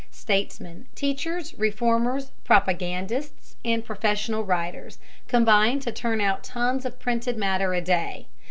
Statesmen, teachers, reformers, propagandists, and professional writers combine to turn out tons of printed matter a day.